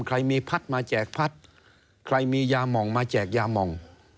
ใครมีพัดมาแจกพัดใครมียามองมาแจกยามอง